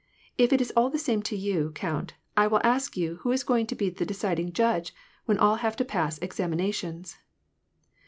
If it is all the same to you, count, I will ask 3'ou who is going to be the deciding judge when all have to pass examinations